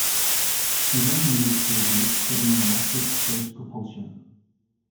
He then moved to a group studying electric space propulsion.